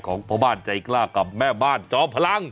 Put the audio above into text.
ของพ่อบ้านใจกล้ากับแม่บ้านจอมพลัง